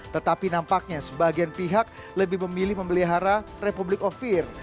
tetapi nampaknya sebagian pihak lebih memilih memelihara republik of fear